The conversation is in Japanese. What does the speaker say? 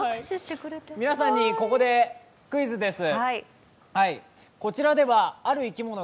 皆さんにここで、クイズです。